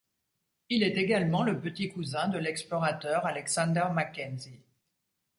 Il est également le petit-cousin de l'explorateur Alexander Mackenzie.